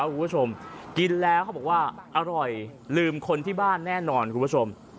คุณผู้ชมกินแล้วเขาบอกว่าอร่อยลืมคนที่บ้านแน่นอนคุณผู้ชม